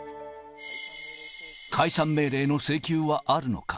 解散命令の請求はあるのか。